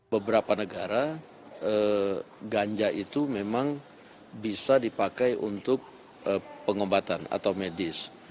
beberapa negara ganja itu memang bisa dipakai untuk pengobatan atau medis